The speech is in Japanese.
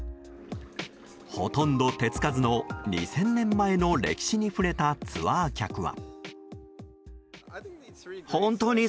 ほとんど手つかずの２０００年前の歴史に触れたツアー客は。